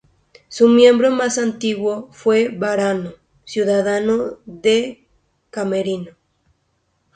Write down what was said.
Su miembro más antiguo fue Varano, ciudadano de Camerino.